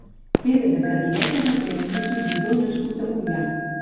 Pere de Cadireta va ser un inquisidor nascut a Moià.